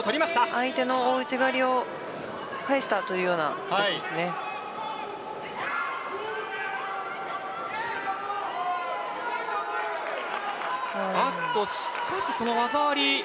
相手の大内刈を返したというような技ありです。